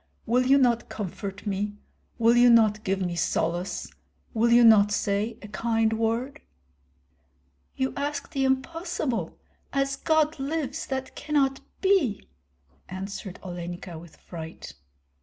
Will you not comfort me, will you not give me solace, will you not say a kind word?" "You ask the impossible. As God lives, that cannot be!" answered Olenka, with fright.